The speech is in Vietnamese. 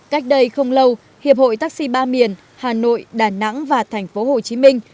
cách đây không lâu hiệp hội taxi ba miền hà nội đà nẵng và thành phố hồ chí minh